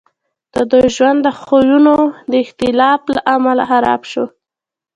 د دوی ژوند د خویونو د اختلاف له امله خراب شو